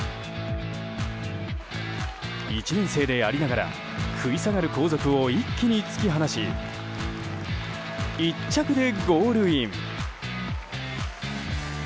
１年生でありながら食い下がる後続を一気に突き放し１着でゴールイン。